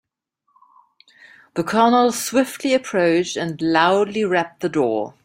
The colonel swiftly approached and loudly rapped the door.